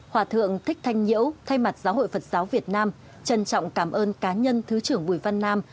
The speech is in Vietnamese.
hòa thượng thích thanh nhiễu thay mặt giáo hội phật giáo việt nam trân trọng cảm ơn cá nhân thứ trưởng bùi văn nam